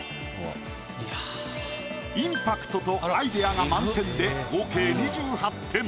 インパクトとアイデアが満点で合計２８点。